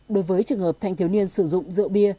đối với trường hợp thanh thiếu niên sử dụng rượu bia